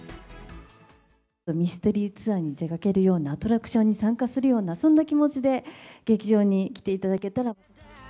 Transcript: ミステリーツアーに出かけるような、アトラクションに参加するような、そんな気持ちで劇場に来ていただけたら。